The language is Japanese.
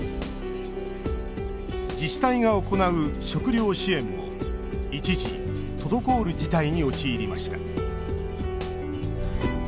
自治体が行う食料支援も一時、滞る事態に陥りました